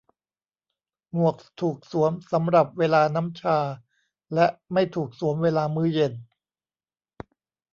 หมวกถูกสวมสำหรับเวลาน้ำชาและไม่ถูกสวมเวลามื้อเย็น